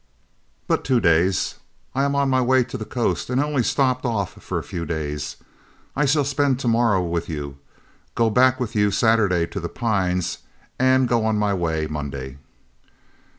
"But two days. I am on my way to the coast, and only stopped off for a few days. I shall spend to morrow with you, go back with you Saturday to The Pines, and go on my way Monday."